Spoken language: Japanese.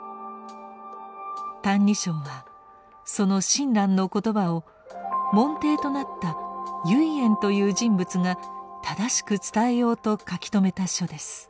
「歎異抄」はその親鸞の言葉を門弟となった唯円という人物が正しく伝えようと書き留めた書です。